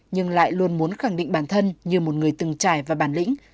nhưng lại luôn muốn khẳng định bản thân như một người từng trải và bản lĩnh